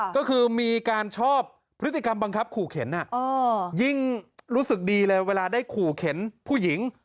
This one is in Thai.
ก็คือมีการชอบพฤติกรรมบังคับขู่เข็นยิ่งรู้สึกดีเลยเวลาได้ขู่เข็นผู้หญิง